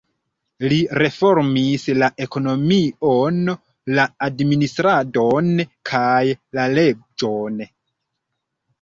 Li reformis la ekonomion, la administradon kaj la leĝon.